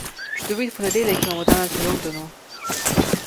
Čudovit ponedeljek imamo danes v Londonu.